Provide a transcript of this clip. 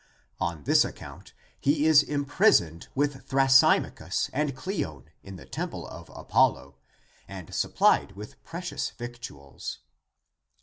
On this account he is imprisoned with Thrasy machus and Cleon in the temple of Apollo, and supplied with precious victuals.